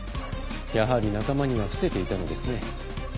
やはり仲間には伏せていたのですね。